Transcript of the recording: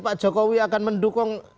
pak jokowi akan mendukung